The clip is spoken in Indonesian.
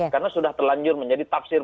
karena sudah telanjur menjadi tafsir